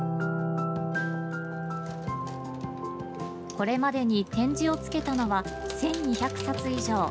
これまでに点字をつけたのは１２００冊以上。